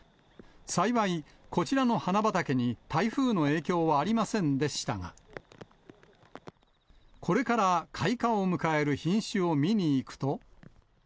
幸い、こちらの花畑に台風の影響はありませんでしたが、これから開花を迎える品種を見に行くと。